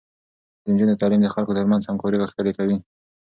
د نجونو تعليم د خلکو ترمنځ همکاري غښتلې کوي.